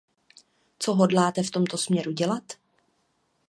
Co hodláte v tomto směru dělat?